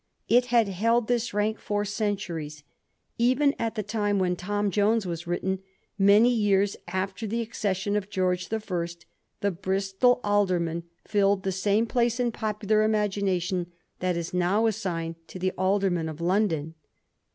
It had held this rank for centuries. Even at the time when ' Tom Jones ' was written, many years after the accession of George the First, the Bristol Alderman fiUed the same place in popular imagination that is now assigned to the Alderman of London.